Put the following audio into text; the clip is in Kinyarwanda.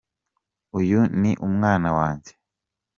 Uyu ni umwana wanjye.